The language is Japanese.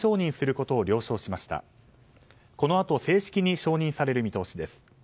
このあと正式に承認される見通しです。